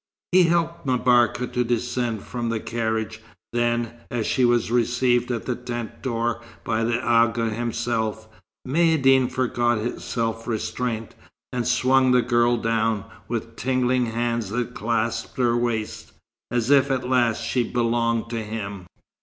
He helped M'Barka to descend from the carriage: then, as she was received at the tent door by the Agha himself, Maïeddine forgot his self restraint, and swung the girl down, with tingling hands that clasped her waist, as if at last she belonged to him.